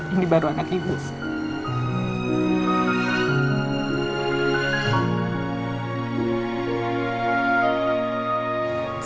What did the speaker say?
ini baru anak ibu